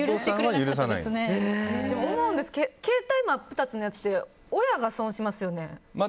でも思うんですけど携帯真っ二つって親が損しますよね。